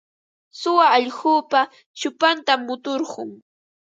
Suwa allqupa chupantam muturqun.